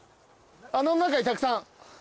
穴ん中にたくさん。